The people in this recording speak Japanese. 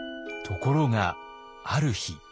ところがある日。